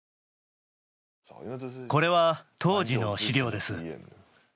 これは当時の資料です。